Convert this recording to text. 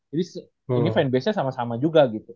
ini fanbase nya sama sama juga gitu